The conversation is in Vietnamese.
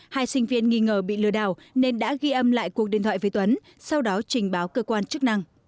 hai sinh viên nghi ngờ bị lừa đảo nên đã ghi âm lại cuộc điện thoại với tuấn sau đó trình báo cơ quan chức năng